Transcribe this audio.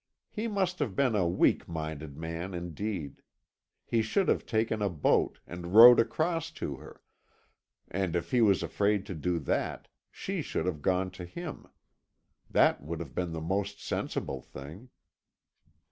He must have been a weak minded man indeed; he should have taken a boat, and rowed across to her; and if he was afraid to do that, she should have gone to him. That would have been the most sensible thing.